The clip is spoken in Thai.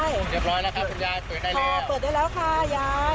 เรียบร้อยแล้วครับคุณญายพอเปิดได้แล้วค่ะยาย